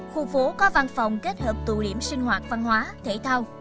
khu phố có văn phòng kết hợp tụ điểm sinh hoạt văn hóa thể thao